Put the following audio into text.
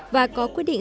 và có quyết định